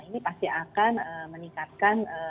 ini pasti akan meningkatkan